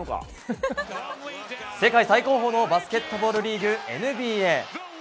世界最高峰のバスケットボールリーグ、ＮＢＡ。